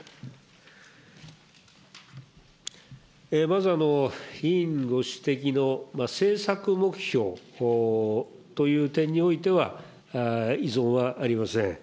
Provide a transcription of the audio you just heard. まず、委員ご指摘の政策目標という点においては、異存はありません。